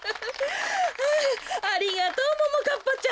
あありがとうももかっぱちゃん。